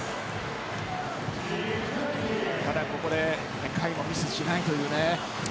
ただ、ここで甲斐もミスしないというね。